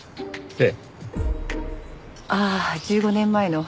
ええ。